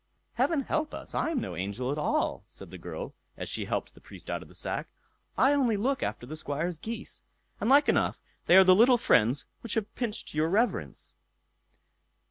"Heaven help us, I am no angel at all", said the girl, as she helped the Priest out of the sack; "I only look after the Squire's geese, and like enough they are the little fiends which have pinched your reverence."